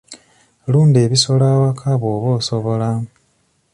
Lunda ebisolo ewaka bw'oba osobola.